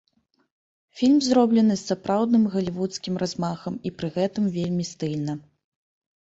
Фільм зроблены з сапраўдным галівудскім размахам і пры гэтым вельмі стыльна.